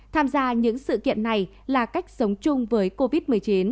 tham gia những sự kiện này là cách sống chung với covid một mươi chín